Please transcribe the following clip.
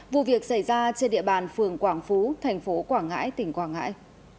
vụ việc xảy ra trên địa bàn phường quảng phú thành phố quảng ngãi tỉnh quảng ngãi